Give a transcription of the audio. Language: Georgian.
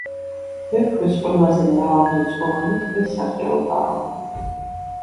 ვეფხვის ყველაზე მრავალრიცხოვანი ქვესახეობაა.